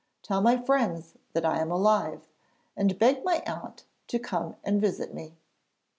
Tell my friends that I am alive, and beg my aunt to come and visit me.'